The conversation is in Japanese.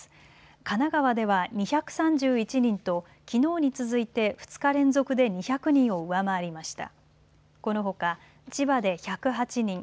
神奈川では２３１人ときのうに続いて２日連続で２００人を上回りました。